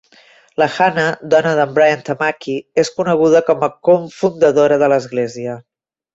La Hannah, dona d'en Brian Tamaki, és coneguda com a cofundadora de l'església.